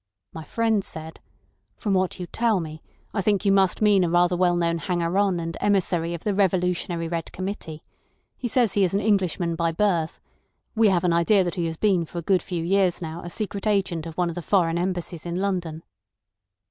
My friend said: 'From what you tell me I think you must mean a rather well known hanger on and emissary of the Revolutionary Red Committee. He says he is an Englishman by birth. We have an idea that he has been for a good few years now a secret agent of one of the foreign Embassies in London.